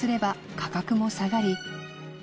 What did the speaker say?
価格も下がり磧弔